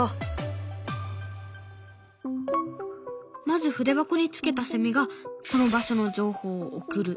まず筆箱につけたセミがその場所の情報を送る。